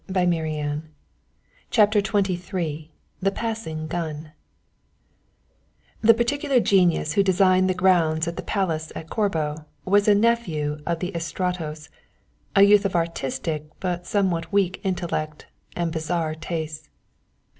he murmured. CHAPTER XXIII THE PASSING GUN The particular genius who designed the grounds of the Palace at Corbo was a nephew of the Estratos a youth of an artistic but somewhat weak intellect and bizarre tastes.